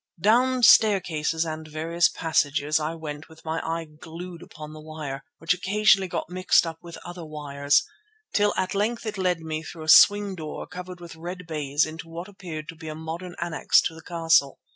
Down staircases and various passages I went with my eye glued upon the wire, which occasionally got mixed up with other wires, till at length it led me through a swing door covered with red baize into what appeared to be a modern annexe to the castle.